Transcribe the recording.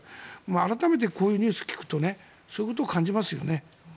改めてこういうニュースを聞くとそういうことを感じますよね。